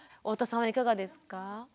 太田さんはいかがですか？